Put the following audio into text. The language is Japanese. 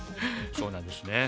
そうなんですね。